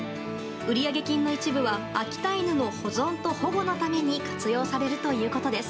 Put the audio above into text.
売上金の一部は秋田犬の保存と保護のために活用されるということです。